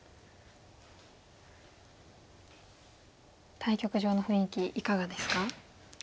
対局場の雰囲気いかがですか？